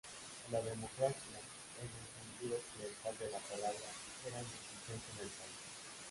La democracia, en el sentido occidental de la palabra, era inexistente en el país.